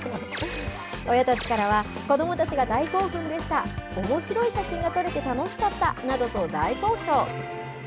親たちからは、子どもたちが大興奮でした、おもしろい写真が撮れて楽しかったなどと大好評。